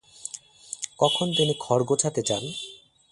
কখন তিনি খড় গোছাতে যান?